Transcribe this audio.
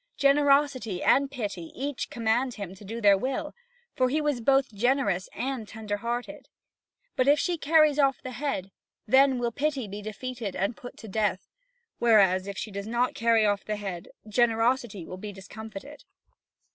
Generosity and pity each command him to do their will; for he was both generous and tender hearted. But if she carries off the head, then will pity be defeated and put to death; whereas, if she does not carry off the head, generosity will be discomfited.